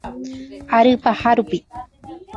Ary paha rupi.